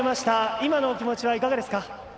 今のお気持ちはいかがですか。